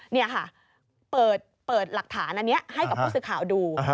นี่ค่ะเปิดหลักฐานอันนี้ให้กับผู้สื่อข่าวดู